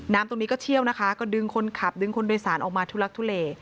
ตรงนี้ก็เชี่ยวนะคะก็ดึงคนขับดึงคนโดยสารออกมาทุลักทุเล